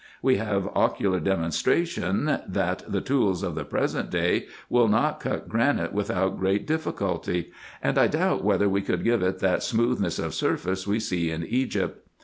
We have ocular demonstration, that the tools of the present day will not cut granite without great difficulty, and I doubt whether we could give it that smoothness of surface we see in Egypt.